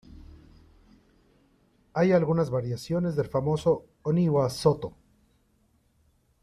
Hay algunas variaciones del famoso "Oni wa soto!